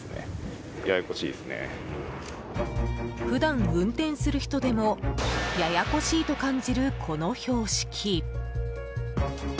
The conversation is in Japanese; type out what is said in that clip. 普段運転する人でもややこしいと感じるこの標識。